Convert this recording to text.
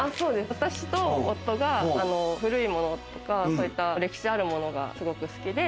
私と夫が古いものとか歴史あるものがすごく好きで。